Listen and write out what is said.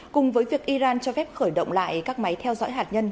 cùng với việc iran cho phép khởi động lại các máy theo dõi hạt nhân